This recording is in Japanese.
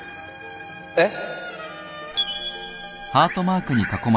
えっ？